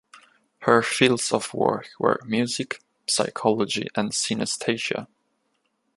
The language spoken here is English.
Her fields of work were music psychology and synaesthesia.